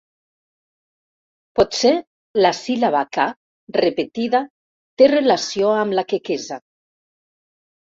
Potser la síl·laba ca repetida té relació amb la quequesa.